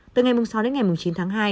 từ ngày sáu đến ngày chín tháng hai